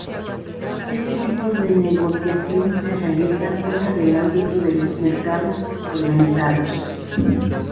Este tipo de negociación se realiza fuera del ámbito de los mercados organizados.